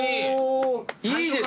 いいですよ。